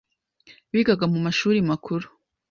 bigaga mu mashuri makuru.